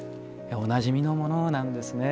おなじみのものなんですね。